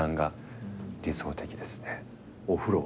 お風呂は？